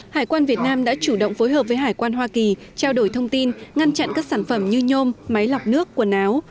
hải quan việt nam đã chủ động phối hợp với hải quan hoa kỳ trao đổi thông tin ngăn chặn các sản phẩm như nhôm máy lọc nước quần áo